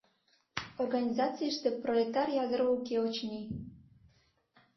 Организацийыште пролетар ядро уке, очыни.